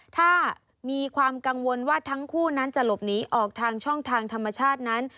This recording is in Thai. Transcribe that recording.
ถ้ามีความกังวลว่าทั้งคู่นั้นจะหลบหนีออกทางช่องทางธรรมชาตินั้น